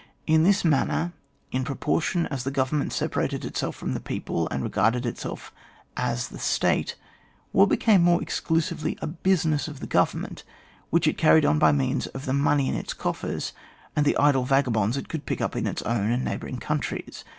In this manner, in proportion as the government separated itself from the people, and regarded itself as the state, war became more exclusively a business of the government, which it carried on by means of the money in its coffers and the idle vagabonds it could pick up in its own and neighbouring countries.